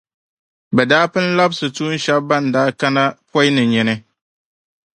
Bɛ daa pun labsi tuun’ shεba ban daa kana pɔi ni nyini.